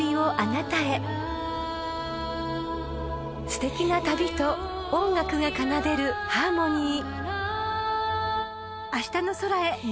［すてきな旅と音楽が奏でるハーモニー］